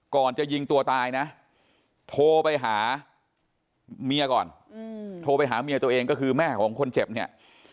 ก่อนจะยิงตัวตายนะโทรไปหาเมียก่อนโทรไปหาเมียตัวเองก็คือแม่ของคนเจ็บเนี่ย